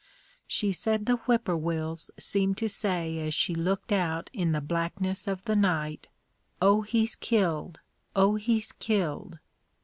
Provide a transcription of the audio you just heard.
She said the whip poor wills seemed to say as she looked out in the blackness of the night, "Oh, he's killed Oh, he's killed."